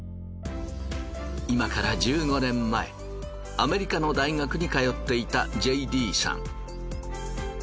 今から１５年前アメリカの大学に通っていたＪＤさん。